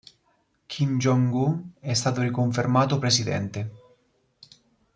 Kim Jong-un è stato riconfermato presidente.